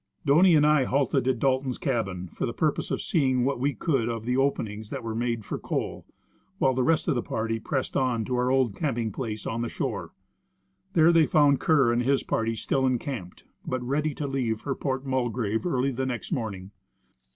Doney and I halted at Dalton's cabin for the purpose of see ing what we could of the openings there made for coal, while the rest of the party pressed on to our old camping place on the shore. There they found Kerr and his party still encamped, but ready to leave for Port Mulgrave early the next morning.